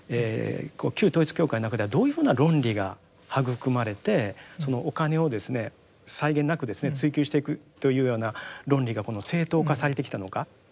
旧統一教会の中ではどういうふうな論理が育まれてそのお金を際限なく追求していくというような論理が正当化されてきたのか。